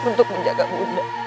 untuk menjaga bunda